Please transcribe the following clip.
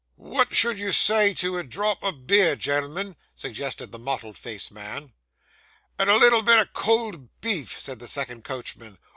'What should you say to a drop o' beer, gen'l'm'n?' suggested the mottled faced man. 'And a little bit o' cold beef,' said the second coachman.